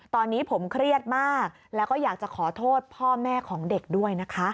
ตอนนี้ผมเครียดมากแล้วก็อยากจะขอโทษพ่อแม่ของเด็กด้วยนะคะ